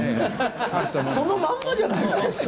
そのまんまじゃないですか、師匠。